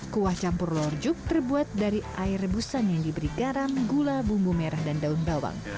kuah campur lorjuk terbuat dari air rebusan yang diberi garam gula bumbu merah dan daun bawang